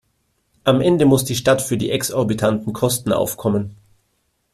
Am Ende muss die Stadt für die exorbitanten Kosten aufkommen.